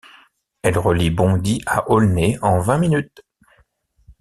Elle relie Bondy à Aulnay en vingt minutes.